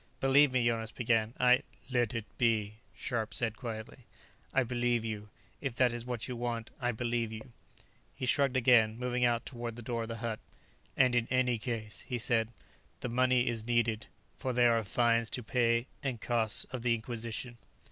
"Believe me," Jonas began. "I " "Let it be," Scharpe said quietly. "I believe you. If that is what you want, I believe you." He shrugged again, moving out toward the door of the hut. "And, in any case," he said, "the money is needed. For there are fines to pay, and costs of the Inquisition."